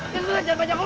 terus aja banyak omong